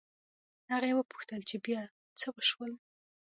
هغې وپوښتل چې بيا څه وشول